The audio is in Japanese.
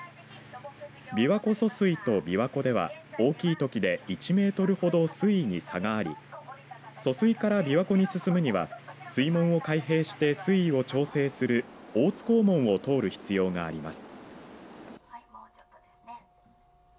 琵琶湖疎水とびわ湖では大きいときで１メートルほど水位に差があり疎水からびわ湖に進むには水門を開閉して水位を調整する大津こう門を通る必要があります。